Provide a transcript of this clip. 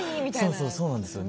そうそうそうなんですよね。